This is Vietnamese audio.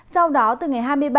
sau đó từ ngày hai mươi ba